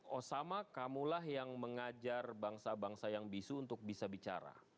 osama kamulah yang mengajar bangsa bangsa yang bisu untuk bisa bicara